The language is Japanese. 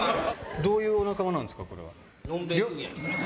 どういうお仲間なんですか？